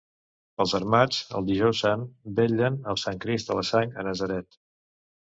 Els armats, el Dijous Sant, vetllen el Sant Crist de la Sang a Natzaret.